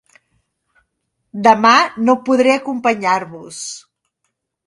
Demà no podré acompanyar-vos.